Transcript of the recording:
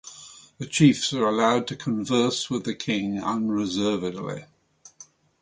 The chiefs are allowed to converse with the king unreservedly.